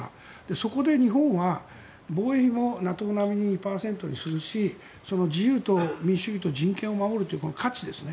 そこで日本は防衛費もＮＡＴＯ並みに２％にするし自由と民主主義と人権を守るという価値ですね